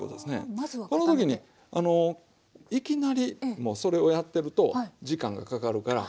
この時にいきなりそれをやってると時間がかかるから。